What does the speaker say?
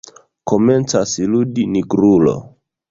Komencas ludi Nigrulo.